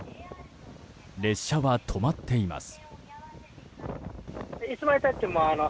列車は止まっています。